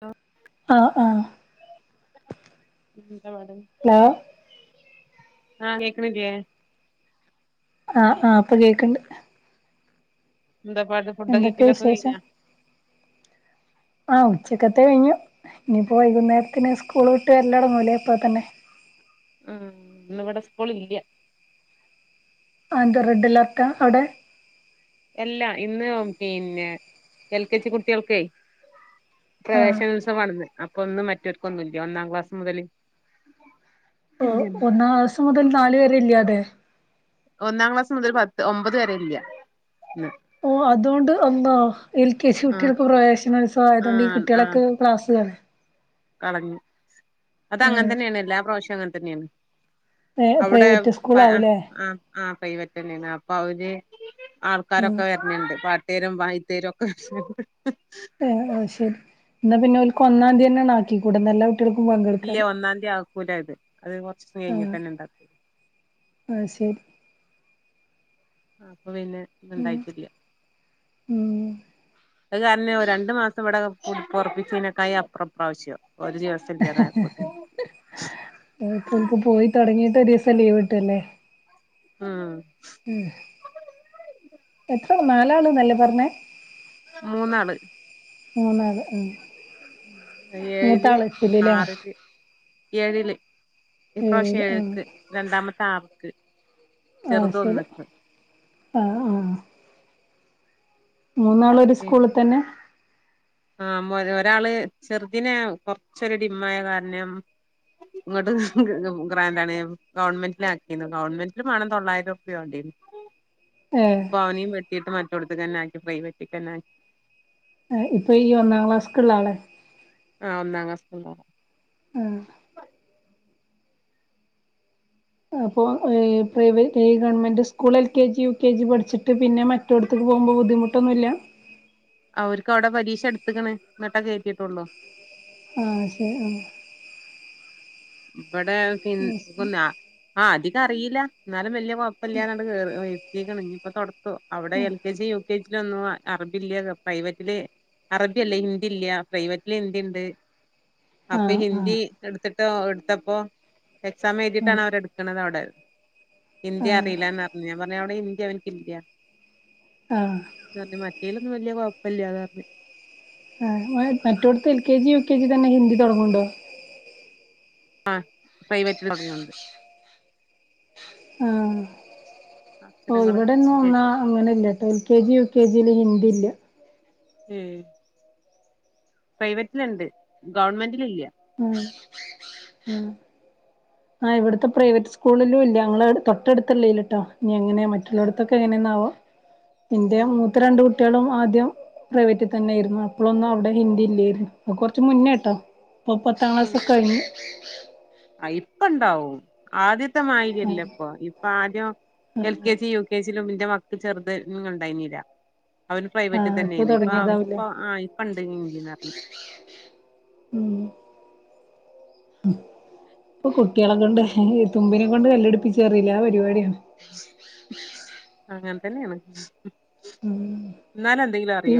ആ ആ ആ എന്താ പാട് ഹലോ ആഹ് കേക്കണില്ലേ ആഹ് ആഹ് ഇപ്പ കേക്ക്ണ്ട് എന്താ പാട് ഫുഡോക്കെ എന്തൊക്കെ കഴിക്കല് ഒക്കെ കഴിഞ്ഞ വിശേഷം ആഹ് ഉച്ചക്കത്തെ കഴിഞ്ഞു ഇനിപ്പോ വൈകുന്നേരത്തിന് സ്കൂള് വിട്ട് വരല് തോടങ്ങൂലേ ഇപ്പ തന്നെ ഉം ഇന്ന് ഇവിടെ സ്കൂൾ ഇല്ല ആ എന്താ റെഡ് അലെർട്ടാ അവിടെ എല്ലാ ഇന്ന് പിന്നെ എൽ കെ ജി കുട്ടികൾക്കെ ആഹ് പ്രവേശനോത്സവാണ് ഇന്ന് അ ഇപ്പ ഒന്നും മറ്റവർക്കൊന്നും ഇല്ലേ ഒന്നാം ക്ലാസ് മുതല് ഓ ഇല്ല്യന്ന്. ഒന്നാം ക്ലാസ്സ്‌ മുതൽ നാല് വരെ ഇല്യാതെ ഒന്നാം ക്ലാസ് മുതൽ പത്ത് ഒമ്പത് വരെ ഇല്യ ഓ അതോണ്ട് എന്തോ എൽ കെ ജി ആഹ് കുട്ടികൾക്ക് പ്രവേശനോത്സവം ആയതുകൊണ്ട് ഈ ആഹ് ആഹ് കുട്ടികളൊക്കെ ക്ലാസ് കാണെ കളഞ്ഞു അത് അങ്ങനെ ആഹ് തന്നെയാണ് എല്ലാ പ്രാവ്ശോ അങ്ങ തന്നെയാണ് ഏഹ് അവിടെ പ്രൈവറ്റ് പ സ്കൂളാവൂലേ ആ ആ പൈവറ്റ്ന്നെയാണ് അപ്പൊ അവര് ആൾക്കാരൊക്കെ വരണിണ്ട് പ തേരും വയിത്തേരും ഒക്കെ ആഹ് അ ശരി എന്നാ പിന്നെ ഓൽക്ക് ഒന്നാം തീയതിന്നെയാക്കികൂടെ നല്ല ഇല്ല ഒന്നാംതി ആക്കൂല ഇത് അത് കൊറച്ച് ആഹ് കഴിഞ്ഞിട്ടന്നെ ഇണ്ടാക്കൂ അത് ശരി ആ അപ പിന്നെ ഇണ്ടായിട്ടില്ല ഉം അത് കാരണം രണ്ട് മാസം ഇവടെ കുടിപ്പറപ്പിച്ചീനെക്കായ അപ്പറം പ്പആവശ്യ ഇപ്പൊ ഓല്ക്ക് പോയി തുടങ്ങീട്ട് ഒരീസ് പ്പ ലീവ് കിട്ടുഅല്ലേ ആഹ് ഉം എത്ര നാലാള്ന്നല്ലേ പറഞ്ഞേ മൂന്നാള് മൂന്നാള് ഉം ഏഴില് മൂത്താള് എട്ടിലല്ലേ ആറില് ഏഴില് ഏഴ് ഇപ്രാശ്യം ആ ഏഴ്ക്ക് രണ്ടാമത്തെ ആറ് ക്ക് ആ ശെരി ആ ആ മൂന്നാളും ഒരു സ്കൂളി തന്നെ ആ മ്മ ഒരാ ഒരാള് ചെറുതിനെ കൊറച്ചൊരു ഡിമ്മായ കാരണം ഇങ്ങോട്ട് ഗ്രാം ഗ്രാന്റാണ് ഗവൺമെന്റില് ആക്കിത് ഗവണ്മെന്റില് വേണം തൊള്ളായിരം റുപ്യ വണ്ടിന് ഏ ഇപ്പൊ അവനെയും വെട്ടിട്ട് മാറ്റ ഇവിടുത്ത്ക്ക് തന്നെ ആക്കി പ്രൈവറ്റ് [unintelligible] ഇപ്പൊ ഈ ഒന്നാം ക്ലാസ്ക്കുള്ള ആളെ ആ ഒന്നാം ക്ലാസ്ക്കുള്ള ആള് ഉം അപ്പൊ ഈ പ്രൈവറ്റ് ഈ government school L K G U K G പഠിച്ചിട്ട് പിന്നെ മറ്റോ ട്ത്ത് ക്ക് പോകുമ്പോ ബുദ്ധിമുട്ടൊന്നുല്ല അവര്ക്കവിടെ പരീക്ഷ ട്ത്ത് ക്ക് ണ് ന്നിട്ടാ കേറ്റിട്ടൊള്ളു ആ ശരി ആ ഇബടെ പിൻ കുന്നാ ആ തി തറീല്ല എന്നാലും വല്യ കൊഴപ്പമില്ലാതങ്ങട് കേർ എത്തീക്ക്ണ് ഇഞ് പ്പൊ തൊടക്കം ഓ അവടെ L K G U K G ലൊന്നും ആ അറബി ല്ല്യ പ്രൈവറ്റ്ല് അറബ്യല്ല ഹിന്ദി ല്ല പ്രൈവറ്റ് ല് ഹിന്ദിണ്ട് ആ അപ്പൊ ആ ശരി. ആ ആ ഹിന്ദി എട്ത്തി [unintelligible] ത്തപ്പോ എക്സാം ആ എഴ്തീട്ടാണ് അവരെ ട്ക്ക്ണത് അവടെ ഹിന്ദി അറില്ലാന്നർഞ്ഞ് ഞാൻ പർഞ്ഞ് അവിടെ ഹി ന്ദി അവര്ക്കില്ല ആ ആ ന്ന് പർഞ്ഞ് മറ്റേലൊന്നും വെല്ല്യ കൊഴ പല്യാന്നർഞ്ഞ് ആ മ മറ്റോടത്ത് L K G U K G തന്നെ ഹിന്ദി തൊട്ങ്ങ്ണ്ടോ ആ പ്രൈവറ്റ്ല് തൊടങ്‌ണ്ട് ഉം ഓ അക്ഷരങ്ങള് ഇവിടെന്നും എന്നാ അത്യാവശ്യം അങ്ങനെല്ല്യട്ടോ കെ ജി യു കെ ജിയില് ഹിന്ദിയില്ല. ഏയ് പ്രൈവറ്റ്ല്ണ്ട് ഗവൺമെന്റില് ഇല്ല ആ ഉം ആ ഇവിടുത്തെ പ്രൈവറ്റ് സ്കൂളിലും ഇല്ല ഞങ്ങളവതൊട്ടടുത്തല്ലേലേട്ടോ ഇനി എങ്ങനാ ഉം മറ്റുള്ളടുത്തൊക്കെ എങ്ങനാവോ ഇന്റെ ഉം മൂത്ത രണ്ടൂ കുട്ടിളും ആദ്യം പ്രൈവെറ്റി തന്നെയിരുന്നു അപ്പോളൊന്നും അവിടെ ഹിന്ദി ഇല്ലെയ്രുന്നു പ്പ കൊർച് ച്ച് മുന്നേട്ടോ ഓം പത്താം ക്ലാസ് കഴിഞ്ഞ് അ ഇപ്പ ണ്ടാവും ആദ്യത്ത് ദ്യത്തെ മായ്ലരി ല്ല ഇപ്പൊ ഇപ്പ ആദ്യം L K G U K G ലും ന്റെ മക് ക് ചെർത് ഇണ്ടായിന്നീല്ല അവൻ പ്രൈവറ്റ് ആഹ് തന്നെനി ഇപ്പൊ തൊടങ്ങിയതാവൂലേ ഇപ്പൊ ആ ഇപ്പ ണ്ട് എന്ന് അർഞ്ഞ് പ്പോ കുട്ടിളെ കൊണ്ട് തുമ്പിനെ കൊണ്ട് കല്ലെട്പ്പിച്ചാറിലെ ആ പരിപാടി ആണ് അങ്ങനെതന്നെണ് ആ ഈ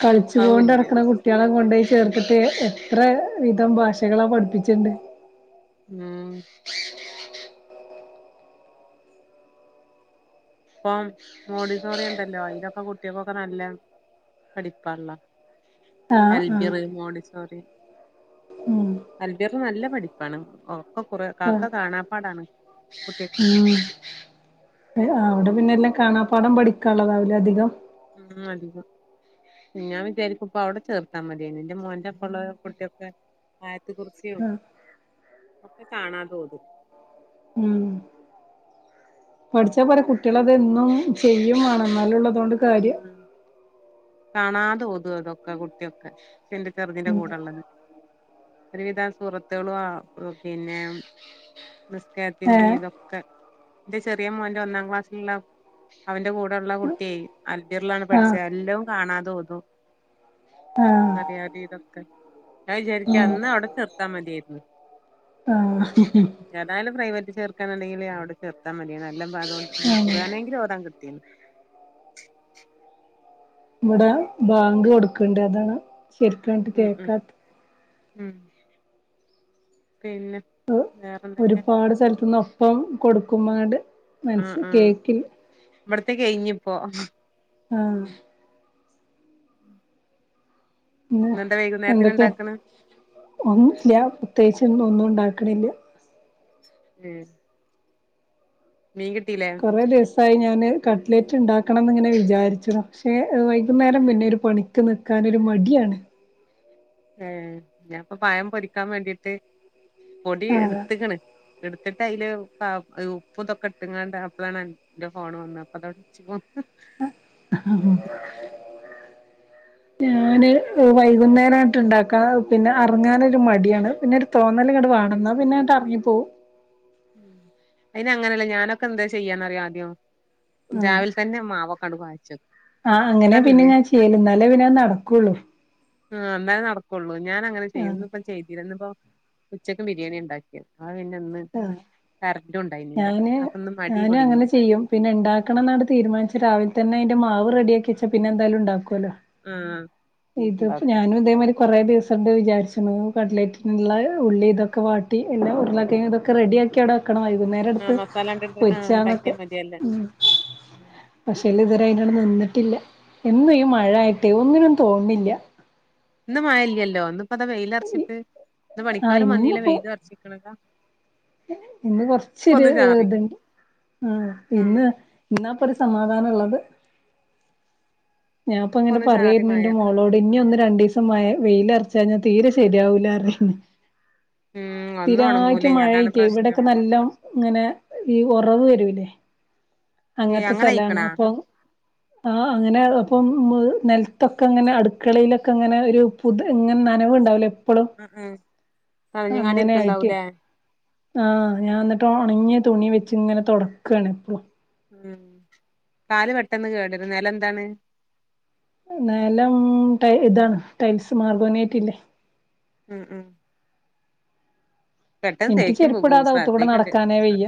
കളിച്ചി അതും കോണ്ട് ഇല്ല അടക്ക്ണ കുട്ടിളെ കൊണ്ടോയി ചേർത്ത്ട്ട് എത്ര വിധം ഭാഷകളാ പഠിപ്പിച്ചെണ്ട് ആം പ്പം മോണ്ടിസോറിയ്ണ്ടല്ലോ അയ്ലൊക്കെ കുട്ടിഏക്കൊക്കെ നല്ല പഠിപ്പാണ്ല്ലോ ആഹ് ആഹ് അൽബിറ് മോണ്ടി സോറി ഉം അൽബിറ് നല്ല പഠിപ്പാണ് ഓ ക്കൊ കൊറേ ആഹ് കാക്ക കാണാപ്പാടാണ് കുട്ടിഏക്ക് ഉം അവിടെ പിന്നെ എല്ലാം കാണാ പാടം പഠിക്കാള്ളതാവും ല്ലെ അധികം മ് അധികം ഞാൻ വിചാരിക്കും പ്പം അവ്ടെ ചേർത്താ മതിഏനി എന്റെ മോൻന്റെ പ്പ ള്ള കുട്ടിക്കെ [unintelligible] ത് കൊർച്ചേയൊള്ളു ആഹ് ഒക്കെ കാണാ തോന്നും മ് പഠിച്ചാ പോര കുട്ടിളത് എന്നും ചെയ്യും മാണം എന്നാലൊള്ളു അത് അതോണ്ട് കാര്യ ഉം കാണാതെ ഓതു അതൊക്കെ ആ കുട്ടിഒക്കെ എന്റെ ചെർതിന്റെ കൂടള്ളത് ഒരുവിധ ആ സൂറത്തുകളും ആ പിന്നെ മ് നി സ്കാരത്തിന്റെ ഏഹ് ഇതൊക്കെ ന്റെ ചെറിഏ മോന്റെ ഒന്നാം ക്ലാസ്സിലുള്ള അവന്റെ കൂടള്ള കുട്ടി അൽബിർലാണ് പഠിച്ചെ ആഹ് എല്ലഔ കാണാതോതും ആഹ് അറിയാതീ തൊക്കെ ഞാ വിചാരിക്കും അന്ന് അവ്ടെ ചേർത്താ മതിആയിരുന്നു ആഹ് ഏതായാലും പ്രൈവ ചേർക്കാനുണ്ടെങ്കില് അവിടെ ചേർത്താൻ മതിയാണ് അല്ല അതുകൊണ്ട് ആഹ് കുറാനെങ്കിലും ഓതാൻ കിട്ടീണ് ഇവടെ ബാങ്ക് കൊടുക്ക്ണ്ട് അതാ ശരിക്കങ്ങ് ഉം ഉം കേക്കാത്തെ ഉം പിന്നെ വേറെന്തൊക്കെ ഒരുപാട് സ്ഥലത്ത്ന്ന് ഒപ്പം കൊടുക്കുംമാട് ആ ആ ഇവിടത്തെ കഴിഞ്ഞു പ്പോ ആഹ് പിന്നെ ഇന്നെന്താ വൈകുന്നേരത്തിന് എന്തൊക്കെ ഇണ്ടാക്കണ് ഒന്നുല്ല പ്രത്യേകി ഇന്ന് ഒന്നും ഉണ്ടാക്കണില്ല ഉം മീൻ കിട്ടീല്ലേ കൊറേ ദിവസായി ഞാന് കട്ട്ലെറ്റ് ഇണ്ടാക്കണം ന്ന് ങ്ങനെ വിചാരിച്ച്ണ് പക്ഷേ വൈകുന്നേരം പിന്നൊരു പണി ക്ക് നിക്കാനൊരു മടിയാണ് ഏ ഞാപ്പൊ പഴം പൊരിക്കാൻ വേണ്ടിട്ട് പൊടി ഇട്ത്ത്ക്ക്ണ് എടുത്തിട്ട് അയില് ഉപ്പ് ഇതൊക്കെ ഇട്ട്ങ്ങാണ്ട് അപ്പളാണ്ന്റെ ഫോണ് വന്നത് അപ്പ അതോടെ വച്ച് പോ ഞാന് വൈകുന്നേരംങ്ങട്ട് ഉണ്ടാക്കാൻ പിന്നെ അറങ്ങാനൊരു മടിയാണ് പിന്നെ ഒരു തോന്നല്ങ്ങട്ട് വാണം ന്നാ പിന്നങ്ങട്ട് അറ പോ ഉ അയിന് അങ്ങനെയല്ലേ ഞാനൊക്കെ എന്താ ചെയ്യാ ന്നറിയോ ആദ്യം ആ രാവിലെ തന്നെ മാവൊക്കാണ്ട് കൊഴച്ച് വെക്കും ആഹ് അങ്ങനെ പിന്നെ ഞാൻ ചെയ്യല് ന്നാലേ പിന്നെ അയ് നടക്കൊള്ളു ആ ന്നാലേ നടക്കൊള്ളൂ ഞാനങ്ങനെ ചെയ്യും ആഹ് ഇന്നിപ്പം ചെയ്തില ഇന്നിപ്പം ഉച്ചക്ക് ബിരിയാണി ണ്ടാക്കിയെ ആ പിന്നെ ന്ന് ക ഞാന് ഞാനും അങ്ങനെ ചെയ്യും പിന്നെ ഇണ്ടാക്കണം ന്നാണ് തീരുമാനിച്ച് രാവിലെ തന്നെ മാവ്റെഡി ആി വെച്ച പിന്നെ എന്തായാലും ഉണ്ടാക്കും ആഹ് ഇത്പ്പോ ഉണ്ടാക്കും ഞാനും ഇതേമാ കൊറേ ദിവസം ണ്ട് വിചാരിച്ച്ണ് കട്ലൈറ്റിനുള്ള ഉള്ളിതൊക്കെ വാട്ടി ഉരുളക്കിഴങ്ങ് ഇതൊക്കെ റെഡിയാക്കി അവിടെ ആക്കണമായി വൈകുന്നേരംട്ത്ത് ആഹ് മസാല ഇട്ടിട്ട് ആഹ് പൊരിച്ചാന്നൊക്കെ ഉണ്ടാക്കിയാൽ മതിയല്ലേ ഉം പക്ഷെല് ഇതരായിട്ട് അട്ട് നി ട്ടില്ല എന്നും ഈ മഴ മഴായിട്ട് ഒന്നിനും പോന്നില്യാ ഇന്ന്മയല്യല്ലോ ഇന്ന് പ്പത വെയിലർച്ചിട്ട് ന്ന് ആഹ് പണിക്കാരും വന്നീല ഇന്നിപ്പോ വെയിലൊർച്ചിക്ണതാ ഇന്ന് കൊർച്ചൊരു ഒന്ന് ചാറി ഇത്ണ്ട് ആ ഉം ഇന്ന് ഇന്നാപ്പത് സമാധാനള്ളത് ഇപ്പൊ ഞാപ്പങ്ങനെ ഒന്ന് ചാറി പറയേര്ന്ന് മഴ ന്റെ മോളോട് നി ഒന്നുരണ്ടീസം മഴ വെയിലർ ചാഞാ തീരെ ശെരിയാവൂലാറിയാണ് ഉം ഒന്നും സ്ഥിരായിട്ട് ഉണങ്ങൂലേ അതാണ് മഴേക്കെ പ്രശ്നം ഇവിടൊക്കെ നല്ലം ങ്ങനെ ഈ ഒറവ് വരൂലേ ഏഹ് അങ്ങൻത്തെ അങ്ങനെ സലാണ് ആയിക്കണാ അപ്പൊ ആ അങ്ങനെ ഓ ഇപ്പം മ് നെൽത്തൊക്കെ ങ്ങനെ അടുക്കളേലൊക്കെ ങ്ങനെ ഒരു പുത് ഇങ്ങൻനനവ്ണ്ടാവ് ലേ ആ ആ [unintelligible] ണ്ടിരിക്കണ്ടാവൂലേ ആ ഞാന്നിട്ട് ഒണങ്ങിയ തുണി വെച്ചിങ്ങനെ തൊടക്കാണ് ഉം കാല് പെട്ടെന്ന് കേടരും നെലന്താണ്? നെലം ടൈ ഇതാണ് ടൈൽസ് മാർബോണേറ്റില്ലേ ഉം ഉം പെട്ടെന്ന് ഇൻക്ക് തേക്കും പോകും ചെരിപ്പ്ടാതെ അകത്തുകൂടെ ശ്രദ്ധിക്കണ്ട് നടക്കാനേ വെയ്യ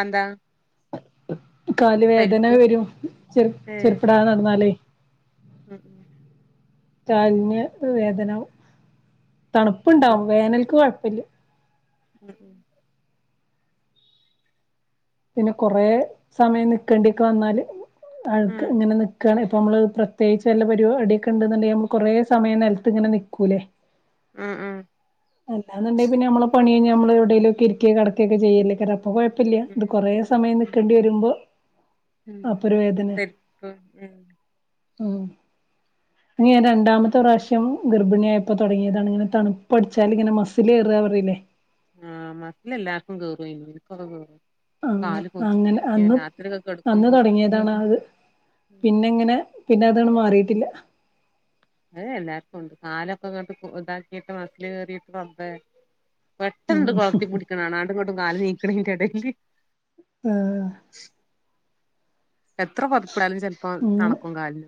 അതെന്താ [unintelligible] കാല് വേദന പരിപ്പും വെരും ചെരു ഏ ചെരുപ്പ്ടാതെ നടന്നാല് ഉം ഉം കാലിന് വേദനാവും അത് തണുപ്പ്ണ്ടാവും ശരി വേനൽക്ക് കൊഴപ്പല്ല്യ ഉം പിന്നെ കൊറേ സമയം നിക്കേണ്ടിക്കെ വന്നാല് അഴ്ക്ക് ഉം ഇങ്ങനെ നിക്കാണ് പ്പൊമ്മ്ള് പ്രത്യേകിച്ച് വല്ല പരിപാടീക്കെണ്ട്ന്നുണ്ടെങ്കി നമ്മ കൊറേ സമയം നെൽത്ത് ഇങ്ങനെ നിക്കൂലേ ഉം ഉം അല്ലാന്നൊണ്ടേ പിന്നെ മ്മള പണീ ഞമ്മള് എവിടേലൊക്കെ ഇരിക്കേം കെടക്കേക്കൊ ചെയ്യല്ലയ്ക്കാരം അപ്പം കൊഴപ്പല്ല ഉം ഇത് കൊറേ ഉം സമയം നിക്കണ്ടി വരുമ്പോ ഉം അപ്പൊരു വേദന പരിപ്പ് ഉം ഉം ത് ഞാൻ രണ്ടാമത്തെ പ്രാശ്യം ഗർഭിണിആയപ്പോ തൊടങ്ങിയതാണ് ഇങ്ങനെ തണുപ്പടിച്ചാല് ഇങ്ങനെ മസ്സില് കേറാന്ന് പറയില്ലേ ആ മസ്സ്ല് എല്ലാർക്കും കേറും ഇൻക്കൊക്കെ കേറും അങ്ങ് കാല് കൊഴിച്ച് അങ്ങനെ പിടിക്ക അന്ന് രാത്രിയൊക്കെ അന്ന് കെടക്കുമ്പോക്കെ തൊടങ്ങിയതാണത് ഉം പിന്നെങ്ങനെ പിന്നെ അതാണ് മാറീട്ടില്ല. അത് എല്ലാർക്കും ഒണ്ട്. കാലൊക്കെ ഇങ്ങട്ട് കൊ ഇതാക്കീട്ട്, മസ്സ്ല് കേറീട്ട് റബ്ബേ ഉം പെട്ടെന്ന്ണ്ട് കൊളത്തിപ്പിടിക്ക്ണാണാ ആണ്ടു ഇങ്ങോട്ടും കാല് നീക്കണേ യ്ൻ്റടേല്. ആഹ് എത്ര പൊതപ്പ്ടാലും ചെൽപ്പം ഉം തണക്കും കാൽന്.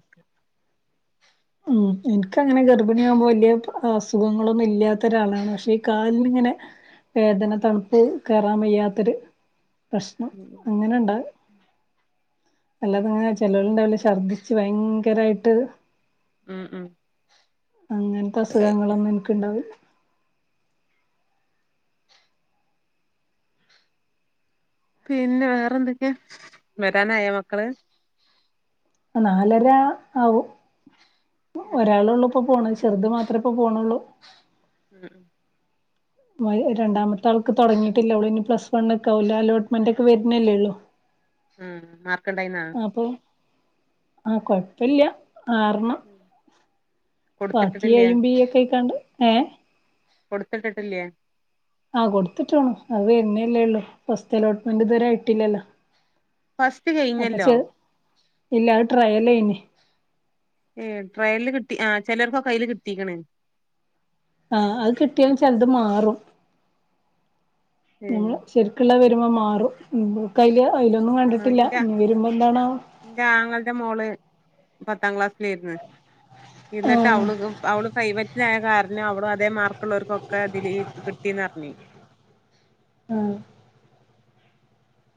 ഉം ഇൻക്കങ്ങനെ ഗർഭിണിയാകുമ്പോ വലിയ അസുഖങ്ങളൊന്നും ഇല്ലാത്ത ഒരാളാണ് പക്ഷെ ഈ കാല് ന് ഇങ്ങനെ വേദന തണുപ്പ് കയറാൻ വയ്യാത്തൊര് പ്രശ്നം ഉം അങ്ങനെ ഇണ്ട് അല്ലാത ഇങ്ങനെ ചെലവര് ണ്ടാവൂലെ ഛർദ്ദിച്ചു ഭയങ്കരായിട്ട് ഉം ഉം. അങ്ങൻത്തെ അസുഖങ്ങളൊന്നും ഇൻക്ക് ഇണ്ടാവില്ല. പിന്നെ വേറെ എന്തൊക്കെയാ? വരാനായൊ മക്കള്? നാലര ആവും. ഉം ഒരാള് ഉള്ളപ്പോ പോണ ചെറുത് മാത്രേ ഇപ്പ പോണൊള്ളൂ. ഉം. രണ്ടാമത്തെ ആൾക്ക് തുടങ്ങിട്ടില്ല അവൾ ഇനി പ്ലസ് വൺ ഒക്കെ ആവൂലെ അലോട്ട്മെന്റ് ഒക്കെ വരുന്നേല്ലേള്ളു. ഉം മാർക്കുണ്ടായിരുന്നാ? ആഹ് കുഴപ്പില്ല്യ ആറെണ്ണം ബാക്കി കൊടുത്തിട്ടിട്ടില്ല എയും ബിയോക്കെയിക്കാണ്ട്. ഏ? കൊടുത്തിട്ടിട്ടില്ലേ? ആഹ് കൊടുത്തിട്ടോണ് അത് വരുന്നേല്ലേയുള്ളൂ. ഫസ്റ്റ് അലോട്ട്മെന്റ് ഇതുവരെ ആയിട്ടില്ലല്ലോ. ഫസ്റ്റ് അപ്പൊ കഴിഞ്ഞല്ലോ. ചെ ഇല്ല അത് ട്രെയൽ ഏയ്നു. ഉം ട്രയലില് കിട്ടി ആഹ് ചിലർക്കൊക്കെ അതില് കിട്ടീക്കണ്. ആഹ് അത് കിട്ടിയാലും ചിലത് മാറും. ഏ നമ്മള് ശരിക്കുള്ള വരുമ്പോ ആറ് കയ്യില് അതിലൊന്നും ആ കണ്ടിട്ടില്ല ഇന്റെ ഇനി വരുമ്പോ എന്താണാ എന്റെ ആങ്ങളുടെ മോള് പത്താം ക്ലാസ്സിലായിരുന്ന് എന്നിട്ട് ആഹ് അവള് അവള് പ്രൈവറ്റ് കാരണം അവളും അതേ മാർ ക്ക് ഉള്ളവർക്കൊക്കെ അതില് കിട്ടീന്നാ പറഞ്ഞത് ആഹ്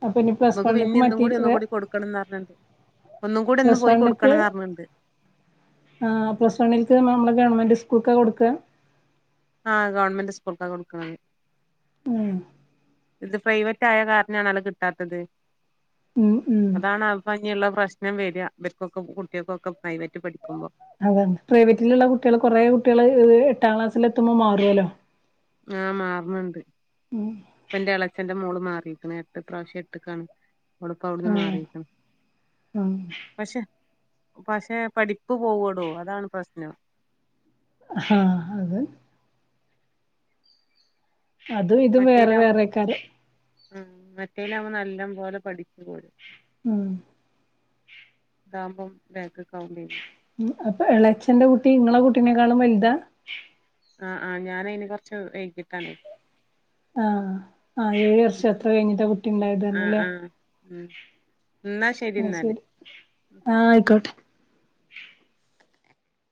അപ്പൊ ഇനി പ്ലസ് ഇവക്ക് വണ്ണുക്ക് പിന്നെ ഇന്നും മറ്റേ കൂടി ഒന്നും കൂടി കൊടുക്കണംന്ന് പറഞ്ഞിണ്ട് ഒന്നും കൂടി ഇന്ന് പ്ലസ് പോയി വണ്ണക്ക് കൊടുക്കണംന്ന് പറഞ്ഞിണ്ട് ആഹ് പ്ലസ് വണ്ണിൽക്ക് നമ്മ ഗവൺമെന്റ് സ്കൂൾക്കാ കൊടുക്കുക ആഹ് ഗവൺമെന്റ് സ്കൂൾക്കാ കൊടുക്കണത് ഉം. ഇത് പ്രൈവറ്റായ കാരണാണല്ലോ കിട്ടാത്തത്. ഉം ഉം അതാണ് അപ്പൊ ഇനിയുള്ള പ്രശ് അങ്ങനെ വര അവർക്കൊക്കെ കുട്ടികൾക്കൊക്കെ പ്രൈവറ്റ് പഠിക്കുമ്പോ. അതെ പ്രൈവറ്റിൽഉള്ള കുട്ടികൾ കുറെ കുട്ടികൾ എട്ടാം ക്ലാസ്സിൽ എത്തുമ്പോൾ മാറുമല്ലോ ആ മാറ് നുണ്ട് ഇപ്പ എന്റെ ഇളച്ചന്റെ അട്ത്ത പ്രാവശ്യം എട്ട്ക്കാണ് ഇപ്പ അവിടുന്ന് ആഹ് മാറീക്കുന്നു ആഹ് പക്ഷെ പക്ഷെ പഠിപ്പ് പോവൊള്ളൂ അതാണ് പ്രശ്നം. ഹാ അതെ. അതും ഇതും വേറെ മറ്റേലാവുമ്പോ വേറെക്കാരം ഹ്മ് മറ്റേയിലാവുമ്പോ നല്ല മ്പോലെ പഠിച്ചു പോരും ഉം ദാവുമ്പം ബേ വ് അപ്പൊ എളച്ചൻ ഇങ്ങളെ കുട്ടീനെക്കാളും വലുതാ ആഹ് ആ് ഞാന് അയ്ന് കൊറച്ച് വൈകീട്ടാണേ ആ ആ ഏഴ് വർഷം ഉം അത്ര കഴിഞ്ഞിട്ടാ കുട്ടിണ്ടായതർ ആഹ് ഞ്ഞ്ല്ലേ ആഹ് ഉം ഇന്നാ ആ ഇന്നാല് ശരി ആ ആയിക്കോട്ടെ